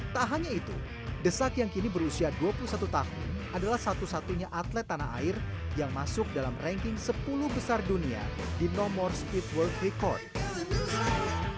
tak hanya itu desak yang kini berusia dua puluh satu tahun adalah satu satunya atlet tanah air yang masuk dalam ranking sepuluh besar dunia di nomor speed world record